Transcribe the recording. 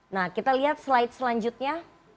nah kita lihat slide selanjutnya